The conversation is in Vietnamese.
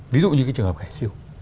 ví dụ như cái trường hợp khải sưu